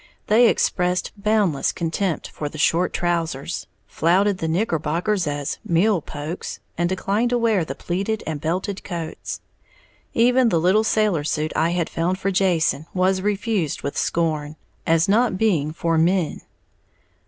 They expressed boundless contempt for the short trousers, flouted the knickerbockers as "meal pokes," and declined to wear the pleated and belted coats. Even the little sailor suit I had found for Jason was refused with scorn, as not being "for men."